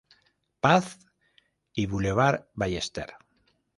Paz y Boulevard Ballester.